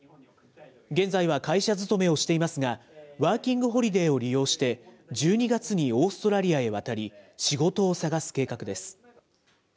現在は会社勤めをしていますが、ワーキング・ホリデーを利用して、１２月にオーストラリアへ渡り、仕事を探す計画です。